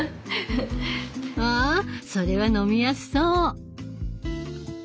わそれは飲みやすそう！